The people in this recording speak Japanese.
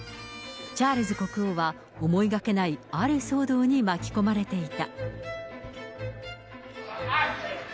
チャールズ国王は思いがけないある騒動に巻き込まれていた。